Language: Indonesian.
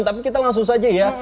tapi kita langsung saja ya